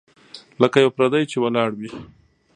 لکه یو پردی چي ولاړ وي .